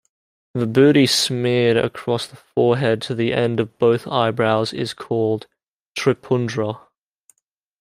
Vibhuti smeared across the forehead to the end of both eyebrows is called Tripundra.